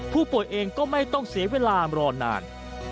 ผู้ป่วยเองก็ไม่ต้องเสียเวลารอนาน